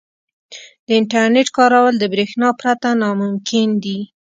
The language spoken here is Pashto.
• د انټرنیټ کارول د برېښنا پرته ناممکن دي.